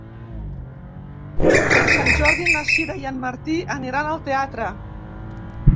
Per Sant Jordi na Sira i en Martí aniran al teatre.